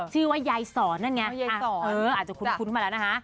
ชื่อว่ายายสอนนั่นไงอาจจะคุ้นมาแล้วนะคะ